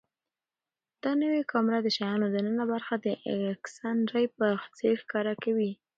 دا نوې کامره د شیانو دننه برخه د ایکس ری په څېر ښکاره کوي.